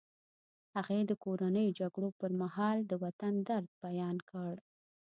هغې د کورنیو جګړو پر مهال د وطن درد بیان کړ